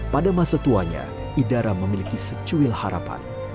pada masa tuanya idara memiliki secuil harapan